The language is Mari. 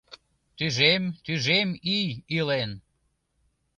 Тӱжем, тӱжем ий илен